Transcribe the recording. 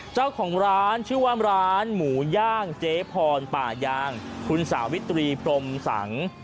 เจ้าของร้านชื่อว่าร้านหมูย่างเจ๊พรป่ายางคุณสาวิตรีพรมสัง